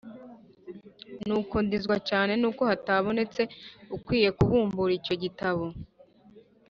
Nuko ndizwa cyane n’uko hatabonetse ukwiriye kubumbura icyo gitabo,